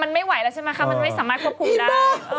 มันไม่ไหวแล้วใช่ไหมคะมันไม่สามารถควบคุมได้